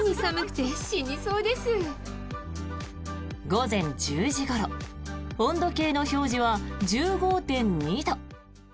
午前１０時ごろ温度計の表示は１５．２度。